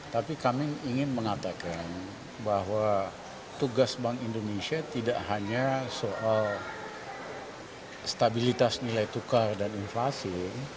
tapi kami ingin mengatakan bahwa tugas bank indonesia tidak hanya soal stabilitas nilai tukar dan inflasi